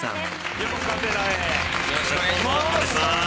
よろしくお願いします。